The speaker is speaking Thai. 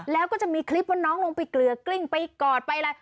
แล้วก็จะมีคลิปว่าน้องลงไปเกลือกลิ้งไปกอดไปอะไร